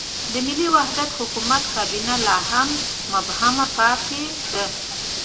د ملي وحدت حکومت کابینه لا هم مبهمه پاتې ده.